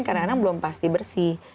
kadang kadang belum pasti bersih